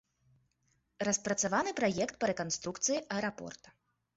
Распрацаваны праект па рэканструкцыі аэрапорта.